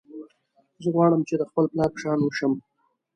زه غواړم چې د خپل پلار په شان شم